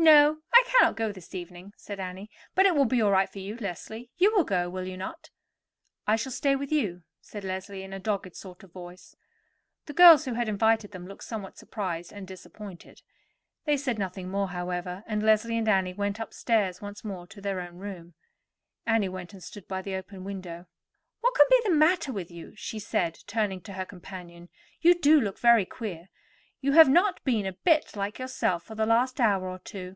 "No; I cannot go this evening," said Annie; "but it will be all right for you, Leslie. You will go, will you not?" "I shall stay with you." said Leslie in a dogged sort of voice. The girls who had invited them looked somewhat surprised and disappointed. They said nothing more, however; and Leslie and Annie went upstairs once more to their own room. Annie went and stood by the open window. "What can be the matter with you?" she said, turning to her companion. "You do look very queer. You have not been a bit like yourself for the last hour or two."